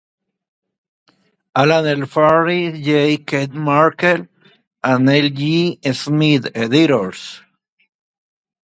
Allan L. Farris, J. Keith Markell, and Neil G. Smith, editors.